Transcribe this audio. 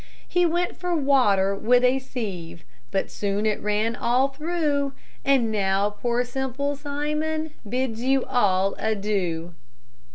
He went for water with a sieve, But soon it ran all through; And now poor Simple Simon Bids you all adieu.